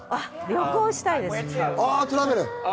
旅行したいです。